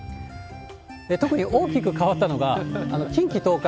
特に大きく変わったのが近畿、東海。